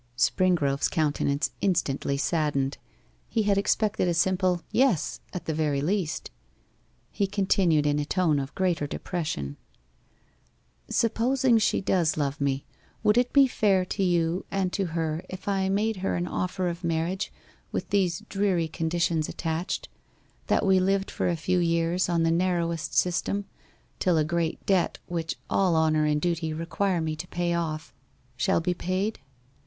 Springrove's countenance instantly saddened; he had expected a simple 'Yes,' at the very least. He continued in a tone of greater depression 'Supposing she does love me, would it be fair to you and to her if I made her an offer of marriage, with these dreary conditions attached that we lived for a few years on the narrowest system, till a great debt, which all honour and duty require me to pay off, shall be paid?